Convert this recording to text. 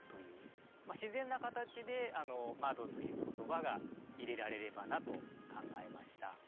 自然な形で窓という言葉が入れられればなと考えました。